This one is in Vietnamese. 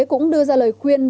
cũng đưa ra lời quyên